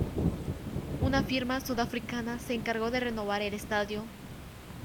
Una Firma Sudafricana se encargo de renovar el estadio.